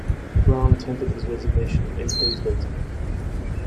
Brown tendered his resignation eight days later.